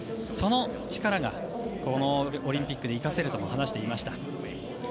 その力がこのオリンピックで生かせるとも話していました。